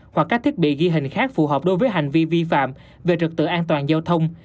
hoặc các thiết bị ghi hình khác phù hợp đối với hành vi vi phạm về trực tự an toàn giao thông